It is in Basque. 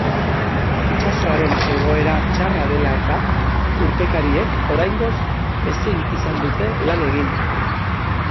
Itsasoaren egoera txarra dela eta, urpekariek oraingoz ezin izan dute lan egin.